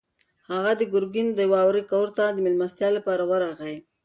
هغه د ګرګین د وراره کور ته د مېلمستیا لپاره ورغی.